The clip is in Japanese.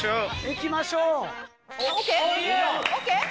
行きましょう。